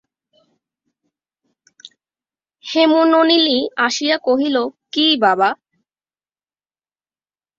হেমনলিনী আসিয়া কহিল, কী বাবা!